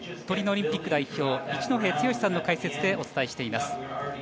トリノオリンピック代表一戸剛さんの解説でお伝えしています。